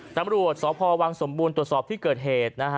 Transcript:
ตำรวจสพวังสมบูรณ์ตรวจสอบที่เกิดเหตุนะฮะ